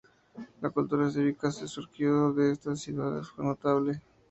La cultura cívica que surgió de estas ciudades fue notable.